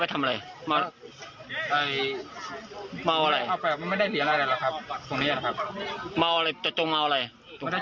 ไม่ได้จงเอาอะไรครับเพราะเห็นมันลืมเหลือมเฉยครับ